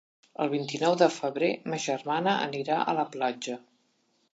El vint-i-nou de febrer ma germana anirà a la platja.